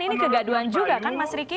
ini kegaduan juga kan mas riki